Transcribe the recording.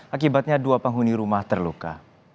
akibatnya dua penghuni rumah terluka